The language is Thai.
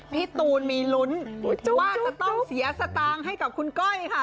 พี่ตูนมีลุ้นว่าจะต้องเสียสตางค์ให้กับคุณก้อยค่ะ